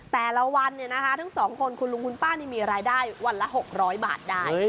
แต่ละวันทั้ง๒คนคุณลุงคุณป้านี่มีรายได้วันละ๖๐๐บาทได้